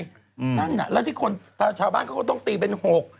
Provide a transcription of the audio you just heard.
นั่นน่ะแล้วที่คนชาวบ้านเขาก็ต้องตีเป็น๖